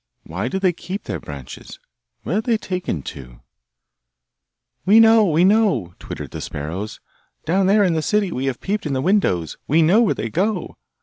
Why do they keep their branches? Where are they taken to?' 'We know! we know!' twittered the sparrows. 'Down there in the city we have peeped in at the windows, we know where they go!